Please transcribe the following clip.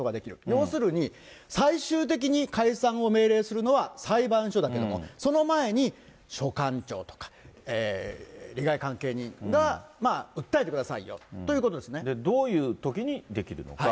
要するに、最終的に解散を命令するのは裁判所だけども、その前に所轄庁とか、利害関係人が訴えてくださいよということでどういうときにできるのか。